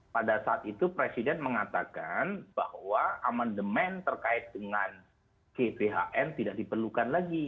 pada saat itu presiden mengatakan bahwa amandemen terkait dengan gbhn tidak diperlukan lagi